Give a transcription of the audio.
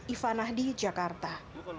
ifanah di jakarta